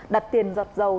đặt tiền giọt dầu